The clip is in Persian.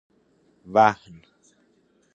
وهن